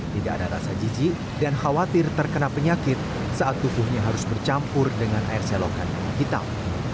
tidak ada rasa jijik dan khawatir terkena penyakit saat tubuhnya harus bercampur dengan air selokan yang hitam